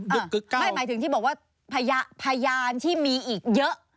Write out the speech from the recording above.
ไม่หมายถึงที่บอกว่าพยานที่มีอีกเยอะ